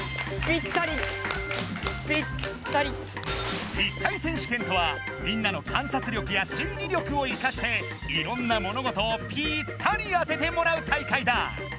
「ピッタリ選手権」とはみんなの観察力や推理力を生かしていろんな物事をぴったり当ててもらう大会だ！